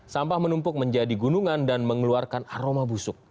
sampah menumpuk menjadi gunungan dan mengeluarkan aroma busuk